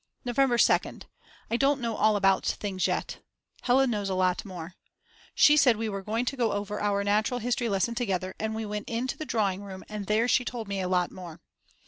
November 2nd. I don't know all about things yet. Hella knows a lot more. We said we were going to go over our natural history lesson together and we went in to the drawing room, and there she told me a lot more.